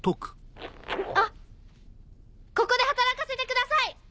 あっここで働かせてください！